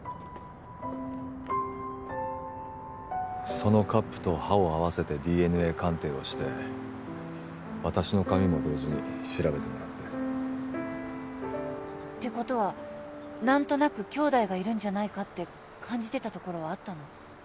そのカップと歯をあわせてＤＮＡ鑑定をして私の髪も同時に調べてもらっててことは何となく兄弟がいるんじゃないかって感じてたところはあったの？